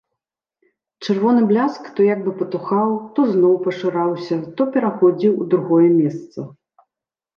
Чырвоны бляск то як бы патухаў, то зноў пашыраўся, то пераходзіў у другое месца.